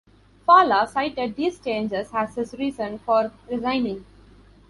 Fallaw cited these changes as his reason for resigning.